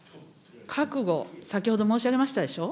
覚悟、先ほど申し上げましたでしょ。